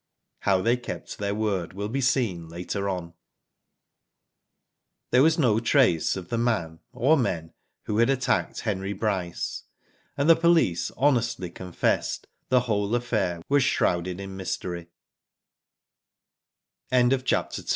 How they kept their word will be seen later on. There was no trace of the man, or men, who attacked Henry Bryce, and the police honestly confessed the whole affair was shrouded i